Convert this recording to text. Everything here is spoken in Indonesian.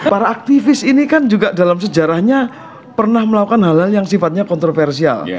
para aktivis ini kan juga dalam sejarahnya pernah melakukan hal hal yang sifatnya kontroversial